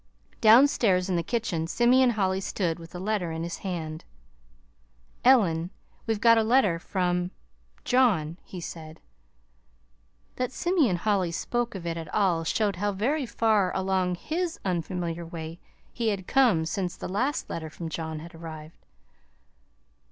Downstairs in the kitchen, Simeon Holly stood, with the letter in his hand. "Ellen, we've got a letter from John," he said. That Simeon Holly spoke of it at all showed how very far along HIS unfamiliar way he had come since the last letter from John had arrived.